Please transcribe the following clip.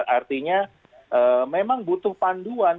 artinya memang butuh panduan